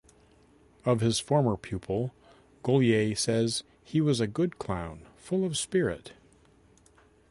Of his former pupil, Gaulier says: "He was a good clown, full of spirit".